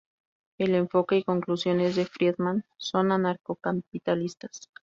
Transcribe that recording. El enfoque y conclusiones de Friedman son anarcocapitalistas.